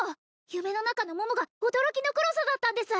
夢の中の桃が驚きの黒さだったんです